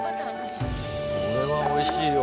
これはおいしいわ。